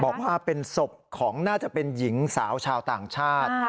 บอกว่าเป็นศพของน่าจะเป็นหญิงสาวชาวต่างชาติ